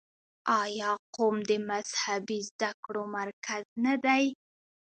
آیا قم د مذهبي زده کړو مرکز نه دی؟